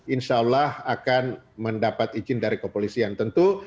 insya allah akan mendapat izin dari kompetisi yang tentu